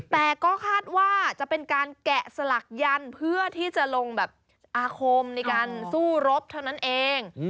แต่ก็คาดว่าจะเป็นการแกะสลักยันเพื่อที่จะลงแบบอาคมในการสู้รบเท่านั้นเอง